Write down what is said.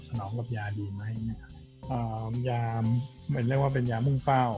สนองกับยาดีไหมยาเป็นเรื่องว่าเป็นยามุ่งเป้า